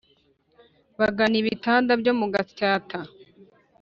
bagana ibitanda byo mu gasyata